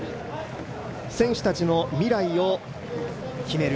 選手たちの未来を決める